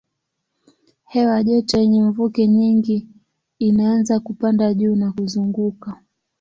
Hewa joto yenye mvuke nyingi inaanza kupanda juu na kuzunguka.